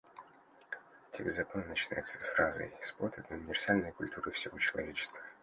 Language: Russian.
Текст закона начинается фразой: «Спорт — это универсальная культура всего человечества».